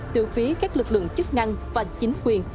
từ phía các lực lượng chức năng và chính quyền